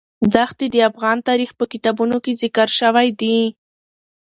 دښتې د افغان تاریخ په کتابونو کې ذکر شوی دي.